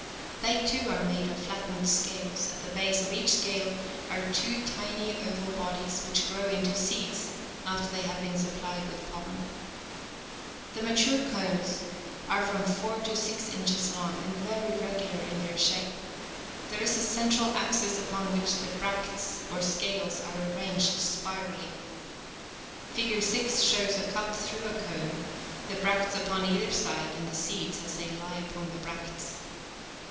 They, too, are made of flattened scales, at the base of 89 « each scale are two tiny oval bodies which grow into seeds after they have been supplied with pollen (Fig 5. ^) The mature cones are from four to six inches long, and very regular in their shape. There is a central axis upon which the bracts or scales are arranged spirally. Figure 6 shows a cut through a cone, the bracts upon either side, and the seeds as they lie upon the bracts.